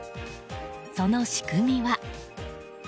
その仕組みは。